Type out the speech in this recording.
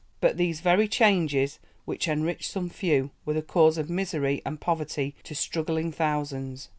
But these very changes which enriched some few were the cause of misery and poverty to struggling thousands.